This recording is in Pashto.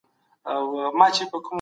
هر وګړی یوازي د یوې رایې حق لري.